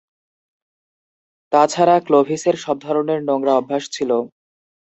তাছাড়া, ক্লোভিসের সব ধরনের নোংরা অভ্যাস ছিল।